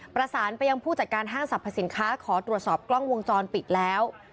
ประสานไปยังผู้จัดการห้างสรรพสินค้าขอตรวจสอบกล้องวงจรปิดแล้ว